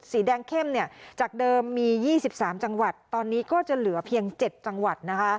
สีแดงเข้มจากเดิมมี๒๓จังหวัดตอนนี้ก็จะเหลือเพียง๗จังหวัดนะคะ